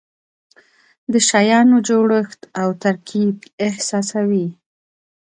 د شیانو جوړښت او ترکیب احساسوي.